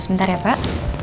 sebentar ya pak